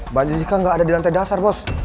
mbak jessica gaada di lantai dasar bos